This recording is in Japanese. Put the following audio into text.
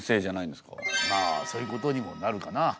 まあそういうことにもなるかな。